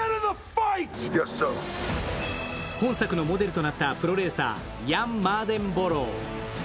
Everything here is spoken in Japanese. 本作のモデルとなったプロレーサーヤン・マーデンボロー。